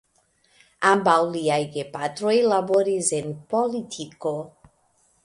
Ambaŭ liaj gepatroj laboris en politiko.